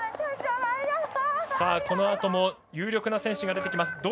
このあとも有力な選手が出てきます。